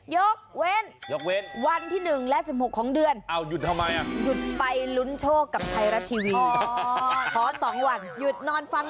ยกเว้นวันที่๑และ๑๖ของเดือนยุดไปลุ้นโชคกับไทยรัฐทีวีขอ๒วัน